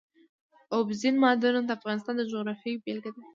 اوبزین معدنونه د افغانستان د جغرافیې بېلګه ده.